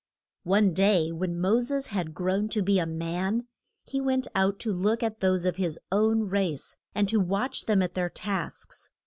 One day, when Mo ses had grown to be a man, he went out to look at those of his own race, and to watch them at their tasks.